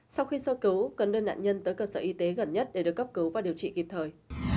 sau khi sơ cứu cần đưa nạn nhân tới cơ sở y tế gần nhất để được cấp cứu và điều trị kịp thời